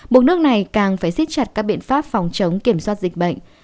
mực nước này càng phải xích chặt các biện pháp phòng chống kiểm soát dịch bệnh